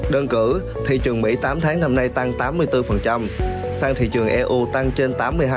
đơn cử thị trường mỹ tám tháng năm nay tăng tám mươi bốn sang thị trường eu tăng trên tám mươi hai